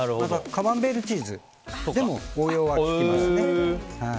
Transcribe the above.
カマンベールチーズとかでも応用が利きますね。